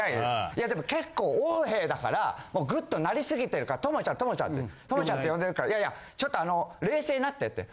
いやでも結構横柄だからぐっとなりすぎてるからともちゃんともちゃんってともちゃんって呼んでるからいやいやちょっと冷静になってって。